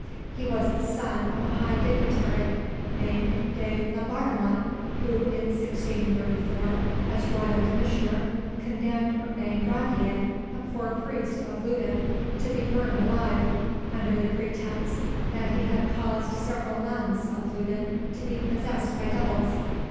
He was the son of a high dignitary named de Laubardemont, who in 1634, as royal commissioner, condemned Urbain Grandier, a poor, priest of Loudun, to be burnt alive, under the pretence that he had caused several nuns of Loudun to be possessed by devils.